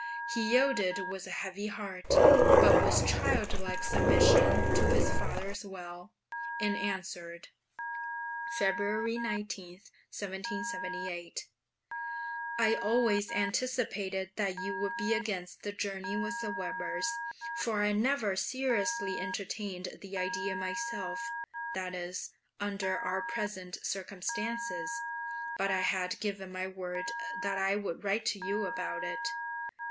He yielded with a heavy heart but with childlike submission to his father's will, and answered (February 19, 1778) I always anticipated that you would be against the journey with the Webers, for I never seriously entertained the idea myself; that is, under our present circumstances; but I had given my word that I would write to you about it.